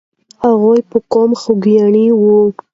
هغه په قوم خوګیاڼی وو.